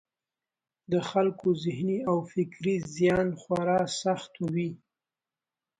د خلکو ذهني او فکري زیان خورا سخت وي.